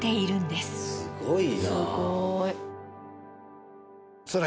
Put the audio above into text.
すごいな。